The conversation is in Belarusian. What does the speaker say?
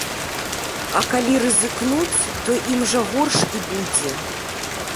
А калі рызыкнуць, то ім жа горш і будзе.